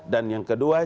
dan yang kedua